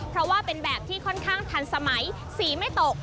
เพราะว่าเป็นแบบที่ค่อนข้างทันสมัยสีไม่ตก